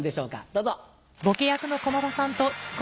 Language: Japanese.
どうぞ！